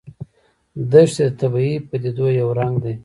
دښتې د طبیعي پدیدو یو رنګ دی.